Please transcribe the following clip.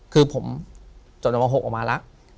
คือผมจนม๖ออกมาแล้ว